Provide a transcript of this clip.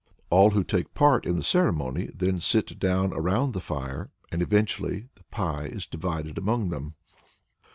All who take part in the ceremony then sit down around the fire, and eventually the pie is divided among them.